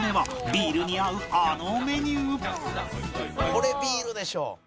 これビールでしょ！